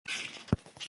ساده پخلی مالګه کموي.